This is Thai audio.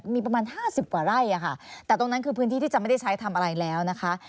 มีประมาณ๕๐กว่าไร่อะค่ะแต่ตรงนั้นคือพื้นที่ที่จะไม่ได้ใช้ทำอะไรแล้วนะคะ